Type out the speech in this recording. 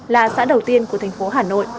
là xã đầu tiên của thành phố hà nội